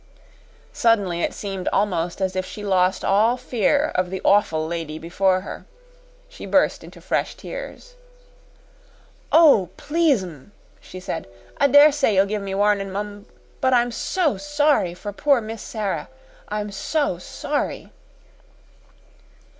Suddenly it seemed almost as if she lost all fear of the awful lady before her. She burst into fresh tears. "Oh, please, 'm," she said; "I dare say you'll give me warnin', mum but I'm so sorry for poor Miss Sara I'm so sorry!"